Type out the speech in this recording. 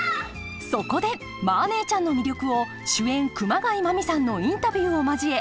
そこで「マー姉ちゃん」の魅力を主演熊谷真実さんのインタビューを交えお届けします！